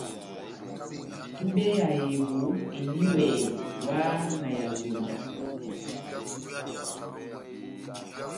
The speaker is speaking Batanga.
Túbɛ ya ehevo endi weeeh wáhá na ya vyonda.